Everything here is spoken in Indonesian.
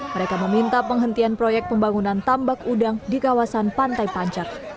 mereka meminta penghentian proyek pembangunan tambak udang di kawasan pantai pancar